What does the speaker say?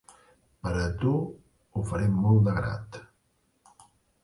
Per a tu ho faré molt de grat.